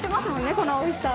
このおいしさは。